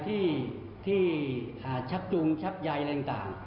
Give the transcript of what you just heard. ใครที่ชักจุงชักใย